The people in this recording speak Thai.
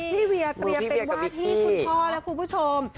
เวียเตรียมเป็นว่าที่คุณพ่อและคุณผู้ชม